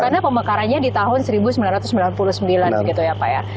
karena pemekarannya di tahun seribu sembilan ratus sembilan puluh sembilan gitu ya pak ya